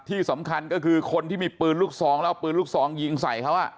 ที่สำคัญก็คือคนที่มีปืนลูกซองแล้วเอาปืนลูกซองยิงใส่เขา